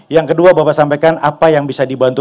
yang kedua bapak sampaikan apa yang bisa dibantu